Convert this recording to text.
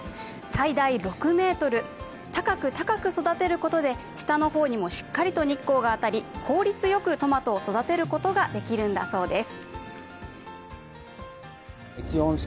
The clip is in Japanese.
最大６ｍ、高く高く育てることで下の方にもしっかりと日光が当たり効率よくトマトを育てることができるんだそうです。